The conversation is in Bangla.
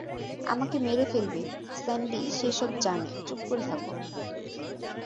আমাকে মেরে ফেলবে, - স্যান্ডি সে সব জানে, চুপ করে থাকো।